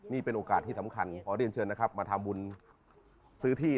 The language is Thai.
นี่เป็นโอกาสที่สำคัญขอเรียนเชิญนะครับมาทำบุญซื้อที่